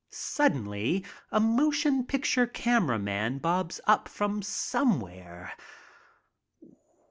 Suddenly a motion picture camera man bobs up from somewhere.